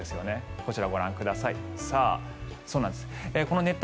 こちら、ご覧ください。